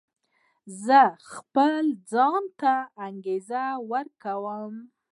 زه خپل ځان ته انګېزه ورکوم.